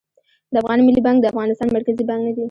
د افغان ملي بانک د افغانستان مرکزي بانک نه دي